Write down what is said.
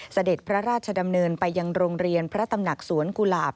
เสด็จพระราชดำเนินไปยังโรงเรียนพระตำหนักสวนกุหลาบ